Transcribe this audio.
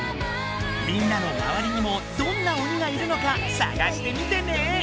みんなのまわりにもどんな鬼がいるのかさがしてみてね！